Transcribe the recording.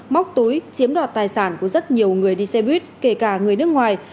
móc túi chiếm đoạt tài sản của rất nhiều người đi xe buýt kể cả người nước ngoài